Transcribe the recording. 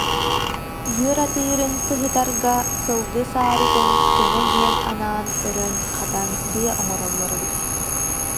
Үөр атыырын сыһытарга сылгы саарытын көмө диэн анаан өрөн-хатан быа оҥороллор эбит